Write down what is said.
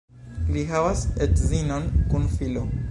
Li havas edzinon kun filo.